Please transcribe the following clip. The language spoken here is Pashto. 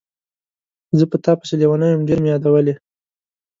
زه په تا پسې لیونی وم، ډېر مې یادولې.